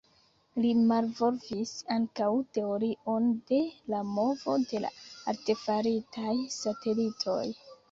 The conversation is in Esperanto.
Li malvolvis ankaŭ teorion de la movo de la artefaritaj satelitoj.